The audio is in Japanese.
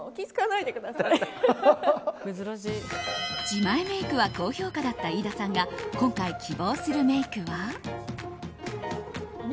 自前メイクは高評価だった飯田さんが今回、希望するメイクは？